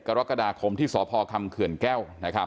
๗กรกฎาคมที่สรภอกรรมเขื่อนแก้ว